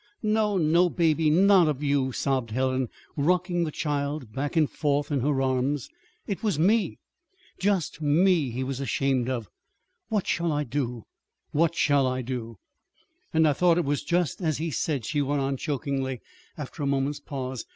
"No, no, Baby, not of you," sobbed Helen, rocking the child back and forth in her arms. "It was me just me he was ashamed of. What shall I do, what shall I do?" "And I thought it was just as he said," she went on chokingly, after a moment's pause.